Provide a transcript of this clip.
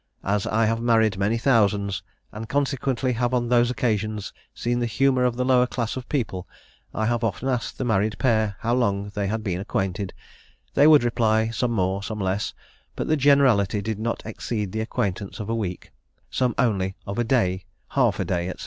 "As I have married many thousands, and consequently have on those occasions seen the humour of the lower class of people, I have often asked the married pair how long they had been acquainted; they would reply, some more, some less, but the generality did not exceed the acquaintance of a week, some only of a day, half a day," &c.